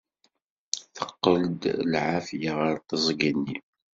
Teqqel-d lɛafya ɣer teẓgi-nni.